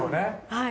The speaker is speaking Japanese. はい。